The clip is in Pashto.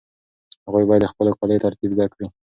هغوی باید د خپلو کاليو ترتیب زده کړي.